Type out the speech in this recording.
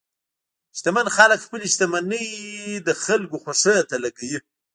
شتمن خلک خپل شتمني د خلکو خوښۍ ته لګوي.